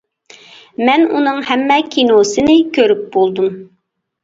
مەن ئۇنىڭ ھەممە كىنوسىنى كۆرۈپ بولدۇم.